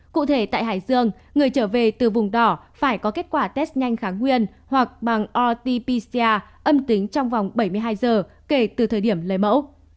cụ thể tại hải dương người trở về từ vùng đỏ phải có kết quả test nhanh kháng nguyên hoặc bằng rt pcr âm tính trong vòng bảy mươi hai giờ kể từ thời điểm lấy mẫu